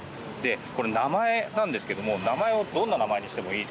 これ、名前なんですけど名前をどんな名前にしてもいいと。